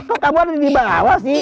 kok kamu ada di bang awal sih